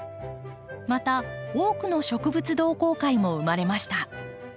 また多くの植物同好会も生まれました。